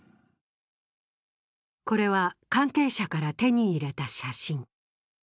これは関係者から手に入れた写真。